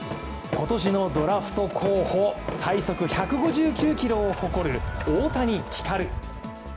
今年のドラフト候補、最速１５９キロを誇る大谷輝龍。